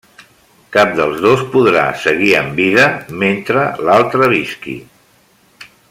Cap dels dos podrà seguir amb vida mentre l'altre visqui.